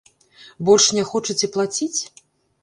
Больш не хочаце плаціць?